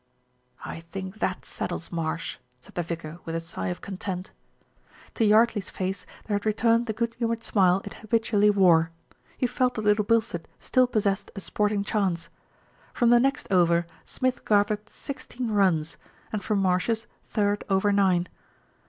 "I think that settles Marsh," said the vicar with a sigh of content. To Yardley's face there had returned the good humoured smile it habitually wore. He felt that Little Bilstead still possessed a sporting chance. From the next over Smith gathered sixteen runs, and from Marsh's third over nine.